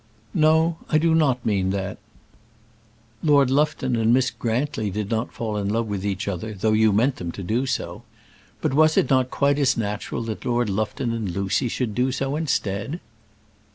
"No, I do not mean that. Lord Lufton and Miss Grantly did not fall in love with each other, though you meant them to do so. But was it not quite as natural that Lord Lufton and Lucy should do so instead?"